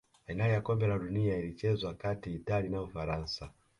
fainali ya kombe la dunia ilichezwa kati italia na ufaransa